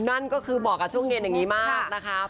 นั่นก็คือเหมาะกับช่วงเย็นอย่างนี้มากนะคะ